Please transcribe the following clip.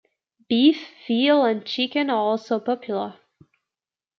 Beef, veal and chicken are also popular.